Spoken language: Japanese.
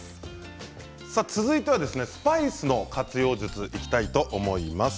続いてはスパイスの活用術にいきたいと思います。